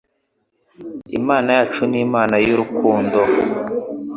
Imana yacu ni Imana y'urukundo?